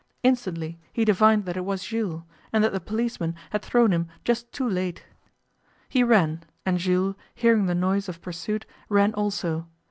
Instantly he divined that it was Jules, and that the policeman had thrown him just too late. He ran, and Jules, hearing the noise of pursuit, ran also.